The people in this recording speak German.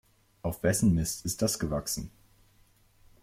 Auf wessen Mist ist das gewachsen?